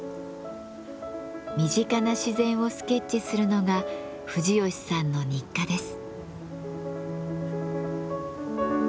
身近な自然をスケッチするのが藤吉さんの日課です。